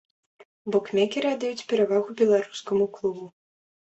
Букмекеры аддаюць перавагу беларускаму клубу.